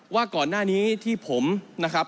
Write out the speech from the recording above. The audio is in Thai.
ว่าก่อนหน้านี้ที่ผมนะครับ